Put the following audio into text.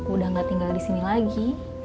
udah gak tinggal disini lagi